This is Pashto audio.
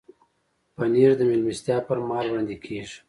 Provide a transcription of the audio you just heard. پنېر د میلمستیا پر مهال وړاندې کېږي.